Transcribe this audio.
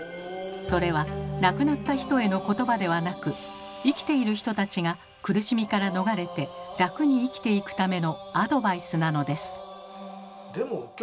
それは亡くなった人への言葉ではなく生きている人たちが苦しみから逃れて楽に生きていくためのアドバイスなのです。